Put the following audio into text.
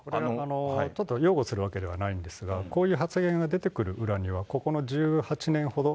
ちょっと擁護するわけではないんですが、こういう発言が出てくる裏には、ここの１８年ほど、